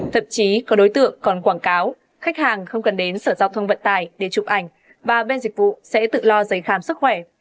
thậm chí có đối tượng còn quảng cáo khách hàng không cần đến sở giao thông vận tài để chụp ảnh và bên dịch vụ sẽ tự lo giấy khám sức khỏe